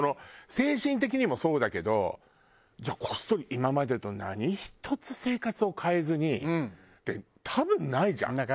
精神的にもそうだけどじゃあこっそり今までと何ひとつ生活を変えずにって多分ないじゃん？